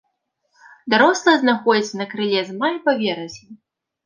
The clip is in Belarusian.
Дарослыя знаходзяцца на крыле з мая па верасень.